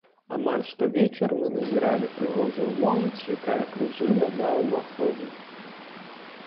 Амаль штовечар мы назіралі прыгожую моладзь, якая кружыла ля ўваходу.